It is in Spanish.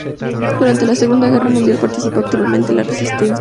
Durante la Segunda Guerra Mundial participó activamente en la Resistencia.